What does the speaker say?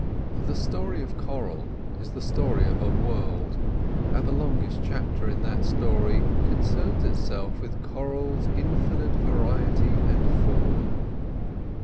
The story of coral is the story of a world, and the longest chapter in that story concerns itself with coral's infinite variety and form.